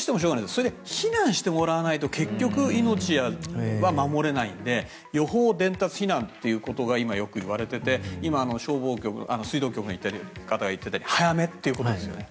それで避難してもらわないと結局、命は守れないので予報、伝達、避難ということがよく言われていて今、消防局、水道局の方が言っていたように早めということですよね。